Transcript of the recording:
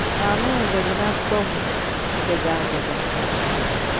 Naana weegedi daa tom agedaa-gedaa.